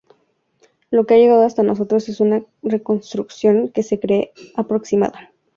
Lo que ha llegado hasta nosotros es una reconstrucción que se cree aproximada.